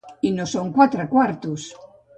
I no són quatre quartos.